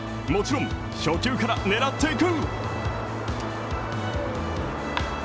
もちろん初球から狙っていく！